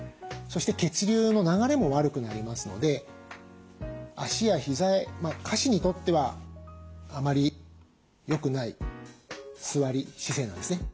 そして血流の流れも悪くなりますので脚や膝へ下肢にとってはあまり良くない座り姿勢なんですね。